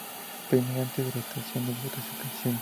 Penney antes de la estación de vacaciones.